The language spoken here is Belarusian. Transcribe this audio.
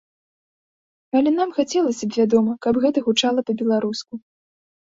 Але нам хацелася б, вядома, каб гэта гучала па-беларуску.